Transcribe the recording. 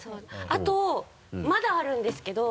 あとまだあるんですけど。